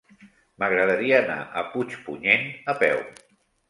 M'agradaria anar a Puigpunyent a peu.